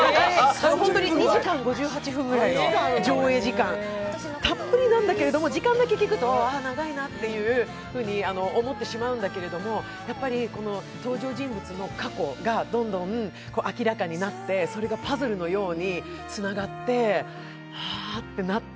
本当に２時間５８分ぐらいの上映時間、たっぷりなんだけど時間だけ聞くと長いなと思ってしまうんだけれども登場人物の過去がどんどん明らかになって、それがパズルのようにつながってああってなって。